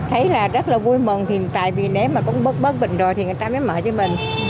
thấy là rất là vui mừng tại vì nếu mà cũng bớt bình rồi thì người ta mới mở cho mình